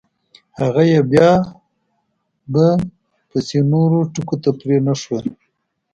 هغه یې بیا به … پسې نورو ټکو ته پرېنښود.